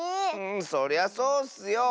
そりゃそうッスよ。